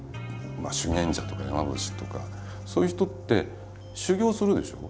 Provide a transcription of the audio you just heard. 修験者とか山伏とかそういう人って修行するでしょ。